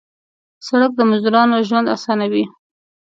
سړک د مزدورانو ژوند اسانوي.